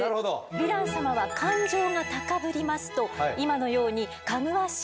ヴィラン様は感情が高ぶりますと今のようにかぐわしい